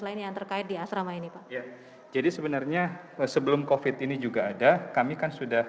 lain yang terkait di asrama ini pak jadi sebenarnya sebelum covid ini juga ada kami kan sudah